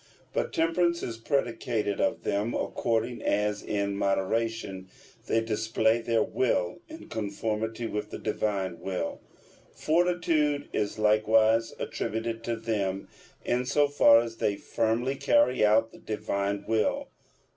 But temperance is predicated of them according as in moderation they display their will in conformity with the Divine will. Fortitude is likewise attributed to them, in so far as they firmly carry out the Divine will.